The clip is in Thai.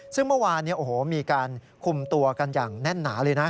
ซึ่งเมื่อวานมีการคุมตัวกันอย่างแน่นหนาเลยนะ